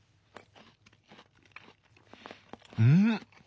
うん！